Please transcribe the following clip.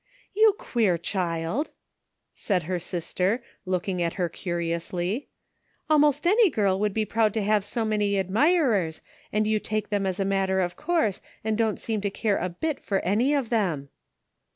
"You queer child 1" said her sister, looking at her curiously. " Almost any girl would be proud to have so many admirers and you take them as a matter of course and don't seem to care a bit for any of them."